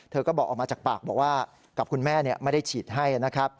เธอก็ออกมาจากปากบอกว่ากับคุณแม่ไม่ได้ฉีดให้